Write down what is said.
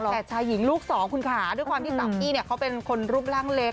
แต่ชายหญิงลูกสองคุณค่ะด้วยความที่สาวกี้เนี่ยเขาเป็นคนรูปร่างเล็ก